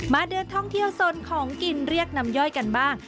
เดินท่องเที่ยวสนของกินเรียกน้ำย่อยกันบ้าง